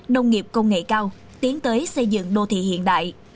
nông nghiệp công nghệ cao tiến tới xây dựng đô thị hiện đại